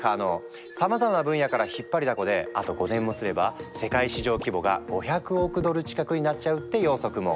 さまざまな分野から引っ張りだこであと５年もすれば世界市場規模が５００億ドル近くになっちゃうって予測も！